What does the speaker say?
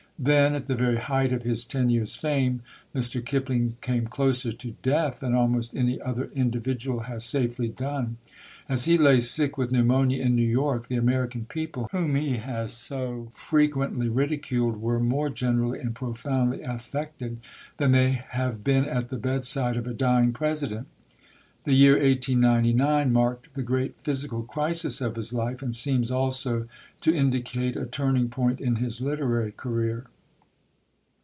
Then, at the very height of his ten years' fame, Mr. Kipling came closer to death than almost any other individual has safely done. As he lay sick with pneumonia in New York, the American people, whom he has so frequently ridiculed, were more generally and profoundly affected than they have been at the bedside of a dying President. The year 1899 marked the great physical crisis of his life, and seems also to indicate a turning point in his literary career.